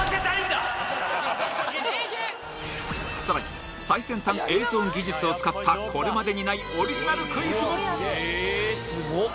さらに最先端映像技術を使ったこれまでにないオリジナルクイズも！